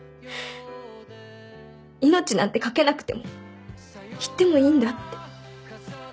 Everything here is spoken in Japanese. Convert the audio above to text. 命なんて懸けなくても言ってもいいんだって。